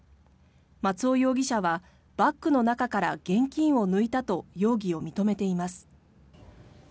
松尾容疑者はバッグの中から現金を抜いたと容疑を認めています。